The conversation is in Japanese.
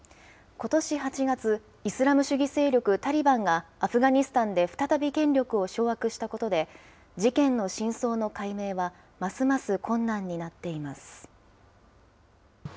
ことし８月、イスラム主義勢力タリバンが、アフガニスタンで再び権力を掌握したことで、事件の真相の解明はますます困難になっています。